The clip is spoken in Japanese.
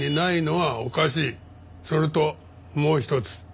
それともう一つ。